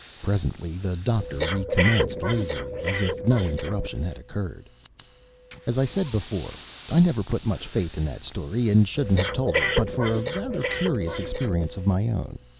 Presently the Doctor recommenced lazily, as if no interruption had occurred. "As I said before, I never put much faith in that story, and shouldn't have told it, but for a rather curious experience of my own.